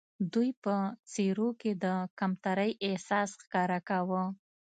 دوی په څېرو کې د کمترۍ احساس ښکاره کاوه.